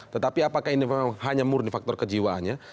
tetapi apakah ini memang hanya murni faktor kejiwaannya